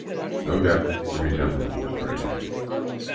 No doubt the resemblance was striking.